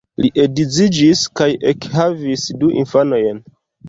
Li edziĝis kaj ekhavis du infanojn.